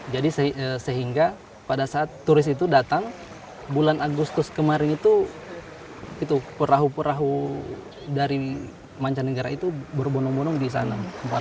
jadi sehingga pada saat turis itu datang bulan agustus kemarin itu perahu perahu dari mancanegara itu berbonong bonong di sana